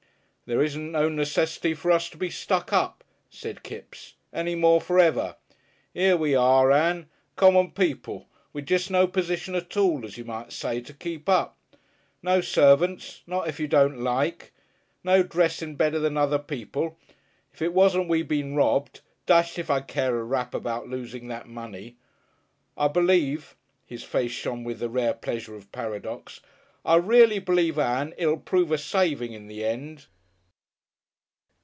"There isn't no necessity for us to be stuck up," said Kipps, "any more for ever! 'Ere we are, Ann, common people, with jest no position at all, as you might say, to keep up. No sev'nts, not if you don't like. No dressin' better than other people. If it wasn't we been robbed dashed if I'd care a rap about losing that money. I b'lieve" his face shone with the rare pleasure of paradox "I reely b'lieve, Ann, it'll prove a savin' in the end."